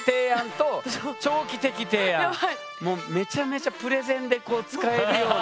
それがもうめちゃめちゃプレゼンでこう使えるような。